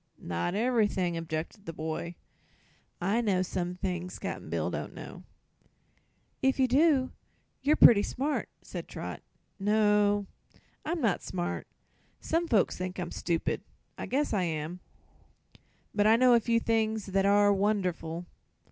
"Not ever'thing," objected the boy. "I know some things Cap'n Bill don't know." "If you do you're pretty smart," said Trot. "No; I'm not smart. Some folks think I'm stupid. I guess I am. But I know a few things that are wonderful.